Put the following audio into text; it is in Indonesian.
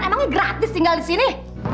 emangnya gratis tinggal disini